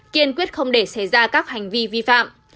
kiên quyết không để xảy ra các hành vi vi phạm